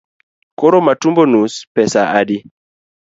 Koro matumbo nus to pesa adi?